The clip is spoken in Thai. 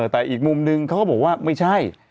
แต่อีกมุมนึงเขาก็บอกว่าไม่ใช่